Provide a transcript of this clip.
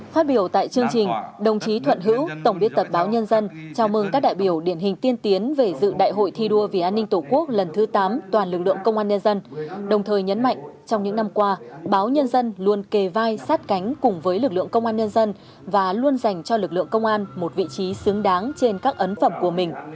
phát biểu tại chương trình đồng chí thuận hữu tổng biên tập báo nhân dân chào mừng các đại biểu điển hình tiên tiến về dự đại hội thi đua vì an ninh tổ quốc lần thứ tám toàn lực lượng công an nhân dân đồng thời nhấn mạnh trong những năm qua báo nhân dân luôn kề vai sát cánh cùng với lực lượng công an nhân dân và luôn dành cho lực lượng công an một vị trí xứng đáng trên các ấn phẩm của mình